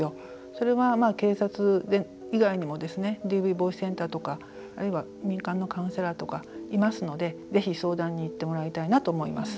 それは、警察以外にもＤＶ防止センターとかあるいは民間のカウンセラーとかいますので、ぜひ相談に行ってもらいたいなと思います。